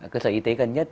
cơ sở y tế gần nhất